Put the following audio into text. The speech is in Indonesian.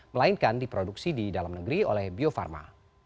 melainkan diproduksi di dalam negeri oleh bio farma